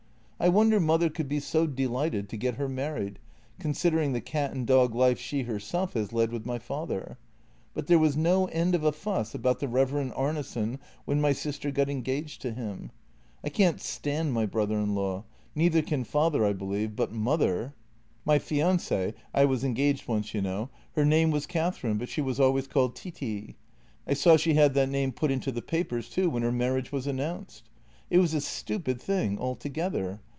I wonder mother could be so delighted to get her married, considering the cat and dog life she herself has led with my father. But there was no end of a fuss about the Rev. Arnesen, when my sister got engaged to him. I can't stand my brother in law, neither can father, I believe, but mother! ..." My fiancée — I was engaged once, you know — her name was Catherine, but she was always called Titti. I saw she had that name put into the papers, too, when her marriage was announced. " It was a stupid thing altogether.